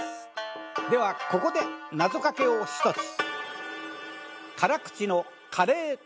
ではここで謎掛けを一つ。